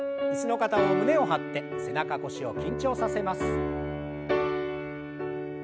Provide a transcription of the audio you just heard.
椅子の方も胸を張って背中腰を緊張させます。